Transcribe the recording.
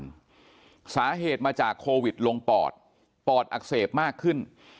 สาเหตุมาจากโควิดลงปอดปอดอักเสบมากขึ้น